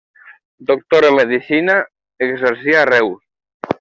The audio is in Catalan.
Doctor en medicina, exercia a Reus.